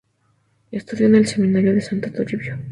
Estudió en el Seminario de Santo Toribio.